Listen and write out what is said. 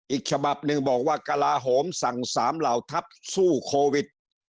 อีกฉบับหนึ่งบอกว่ากลาโหมสั่ง๓เหล่าทัพสู้โควิด